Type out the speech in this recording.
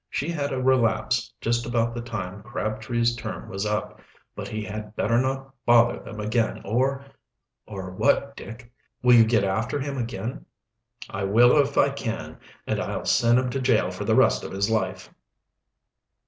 She had a relapse just about the time Crabtree's term was up. But he had better not bother them again, or " "Or what, Dick? Will you get after him again?" "I will if I can, and I'll send him to jail for the rest of his life."